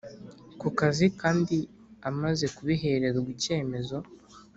Ku kazi kandi amaze kubihererwa icyemezo